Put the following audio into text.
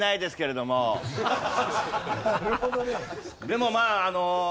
でもまあ。